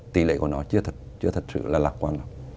tỷ lệ của nó chưa thật sự lạc quan